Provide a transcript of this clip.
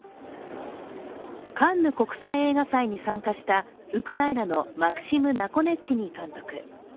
カンヌ国際映画祭に参加したウクライナのマクシム・ナコネッチニィ監督。